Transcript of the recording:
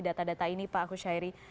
data data ini pak kushairi